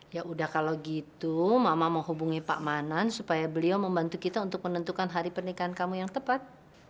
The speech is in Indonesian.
ya udah kalau gitu mama mau hubungi pak manan supaya beliau membantu kita untuk menentukan hari pernikahan kamu yang tepat